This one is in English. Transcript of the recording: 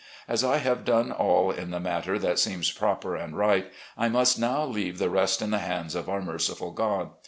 As I have done all in the matter that seems proper and right, I must now leave the rest in the hands of our merciful God.